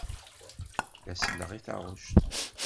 La selleɣ i taɣect.